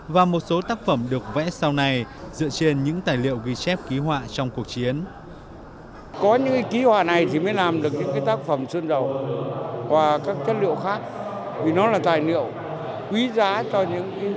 và một số tác phẩm được vẽ sau này dựa trên những tài liệu ghi chép ký họa trong cuộc chiến